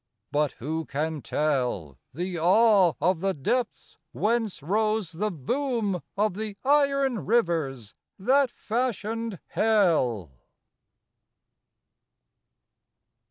But who can tell The awe of the depths whence rose the boom Of the iron rivers that fashioned Hell!